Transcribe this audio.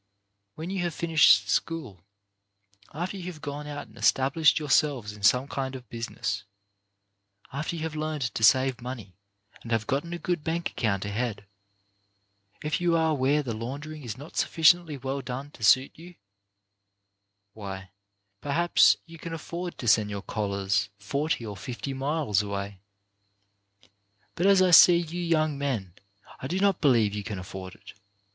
When you have finished school, after you have gone out and established yourselves in some kind of business, after you have learned to save money, and have got a good bank account ahead, if you are where the laundering is not sufficiently well done to suit you, why perhaps you can afford to send your collars forty or fifty miles away. But as I see you young men, I do not believe you can afford it.